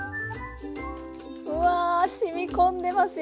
うわしみ込んでますよ